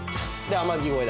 『天城越え』。